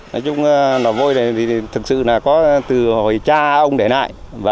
nói chung lò vôi này thì thực sự là có từ hồi cha ông để lại